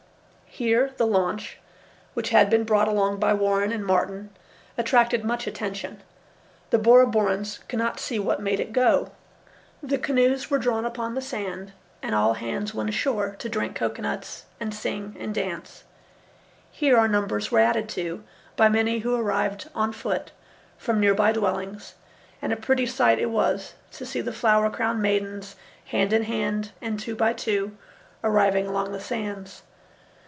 Here the launch, which had been brought along by Warren and Martin, attracted much attention. The Bora Borans could not see what made it go. The canoes were drawn upon the sand, and all hands went ashore to drink cocoanuts and sing and dance. Here our numbers were added to by many who arrived on foot from near by dwellings, and a pretty sight it was to see the flower crowned maidens, hand in hand and two by two, arriving along the sands.